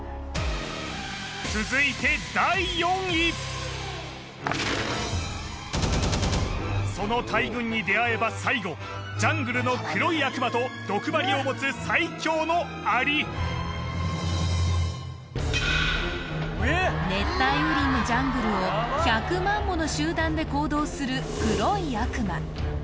続いて第４位その大群に出会えば最後ジャングルの黒い悪魔と毒針を持つ最強のアリ熱帯雨林のジャングルを１００万もの集団で行動する黒い悪魔